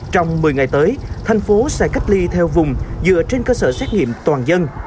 trong một mươi ngày tới thành phố sẽ cách ly theo vùng dựa trên cơ sở xét nghiệm toàn dân